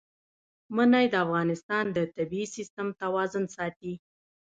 منی د افغانستان د طبعي سیسټم توازن ساتي.